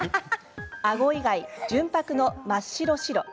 あご以外、純白の真っ白白。